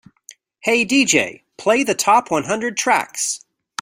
"Hey DJ, play the top one hundred tracks"